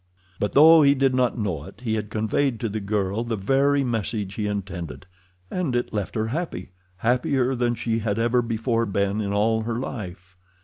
But, though he did not know it, he had conveyed to the girl the very message he intended, and it left her happy—happier than she had ever before been in all her life.